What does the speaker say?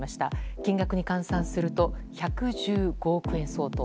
金額に換算すると１１５億円相当。